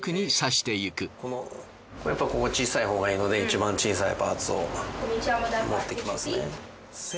ここ小さいほうがいいのでいちばん小さいパーツを持ってきますね。